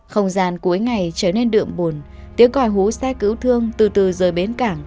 không gian cuối ngày trở nên đượm buồn tiếng gọi hú xe cứu thương từ từ rời bến cảng